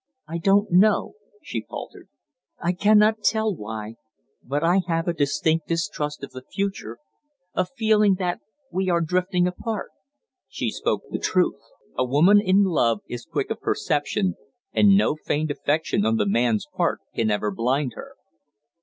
"I don't know," she faltered. "I cannot tell why, but I have a distinct distrust of the future, a feeling that we are drifting apart." She spoke the truth. A woman in love is quick of perception, and no feigned affection on the man's part can ever blind her.